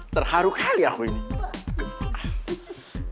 terharu kali aku ini